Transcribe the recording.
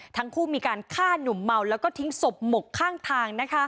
ทั้งคู่มีการฆ่าหนุ่มเมาแล้วก็ทิ้งศพหมกข้างทาง